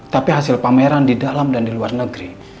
tapi hasil pameran di dalam dan di luar negeri